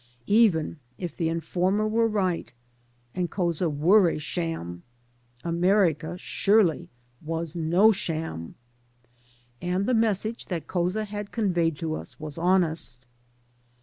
Even if the informer were right, and Couza were a sham, America surely was no sham, and the message that Couza had conveyed to us was honest.